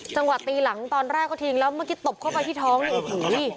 จังหวะตีหลังตอนแรกก็ทิ้งแล้วเมื่อกี้ตบเข้าไปที่ท้องเนี่ยโอ้โห